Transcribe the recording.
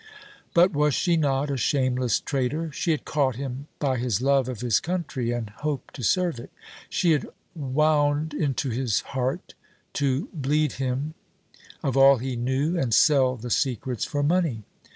But was she not a shameless traitor? She had caught him by his love of his country and hope to serve it. She had wound into his heart to bleed him of all he knew and sell the secrets for money.